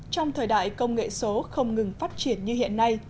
trong thời đại công nghệ số không ngừng phát triển như hiện nay